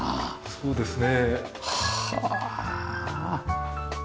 そうですね。